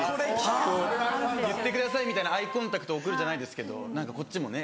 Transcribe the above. こう言ってくださいみたいなアイコンタクト送るじゃないんですけど何かこっちもね